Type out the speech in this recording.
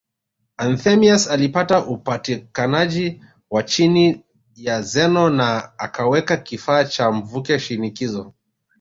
Anthemius alipata upatikanaji wa chini ya Zeno na akaweka kifaa cha mvuke shinikizo